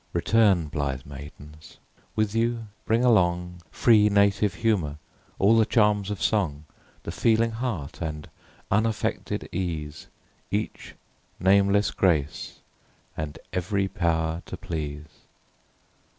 Return, blithe maidens; with you bring along Free, native humour; all the charms of song; The feeling heart, and unaffected ease; Each nameless grace, and ev'ry power to please.